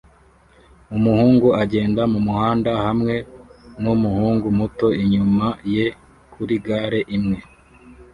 Umuhungu agenda mumuhanda hamwe numuhungu muto inyuma ye kuri gare imwe